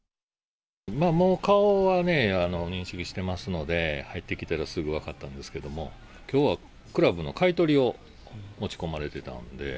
もう顔はね、認識してますので、入ってきたらすぐ分かったんですけれども、きょうはクラブの買い取りを持ち込まれてたんで。